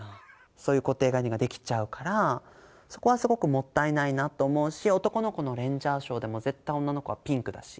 そういう固定観念が出来ちゃうから、そこはすごくもったいないなと思うし、男の子のレンジャーショーでも絶対女の子はピンクだし。